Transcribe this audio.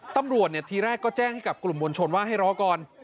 ตำรวจทีแรกก็แจ้งให้กับกลุ่มมวลชนว่าให้รอก่อน